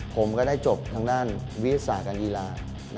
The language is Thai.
ผมก็ได้จบทางด้านวิวสาทการีลา